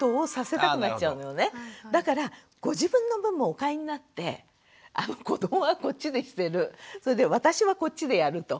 だからご自分の分もお買いになって子どもはこっちでしてるそれで私はこっちでやると。